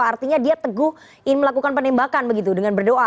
artinya dia teguh melakukan penembakan begitu dengan berdoa